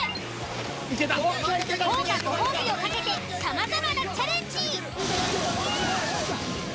［豪華ご褒美を懸けて様々なチャレンジ］